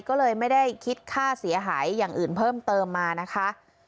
ก็เลยไม่ได้คิดค่าเสียหายอย่างอื่นเพิ่มเติมมานะคะ